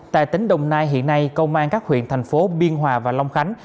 tại tỉnh đồng nai hiện nay công an các huyện thành phố biên hòa và long khánh